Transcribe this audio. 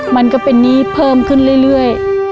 มันก็เป็นหนี้เพิ่มขึ้นเรื่อย